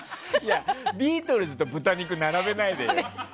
ビートルズと豚肉並べないでよ。